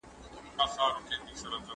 هغه څوک چي ونه ساتي ګټه کوي!.